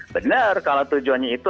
benar kalau tujuannya itu